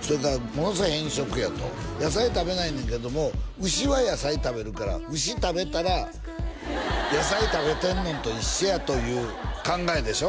それからものすごい偏食やと野菜食べないねんけども牛は野菜食べるから牛食べたら野菜食べてんのと一緒やという考えでしょ？